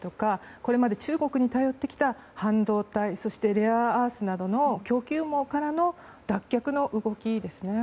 これまで中国に頼ってきた半導体レアアースなどの供給網からの脱却の動きですね。